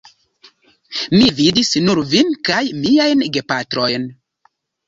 Mi vidis nur vin kaj miajn gepatrojn.